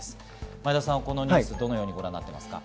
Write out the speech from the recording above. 前田さん、このニュースどのようにご覧になりますか？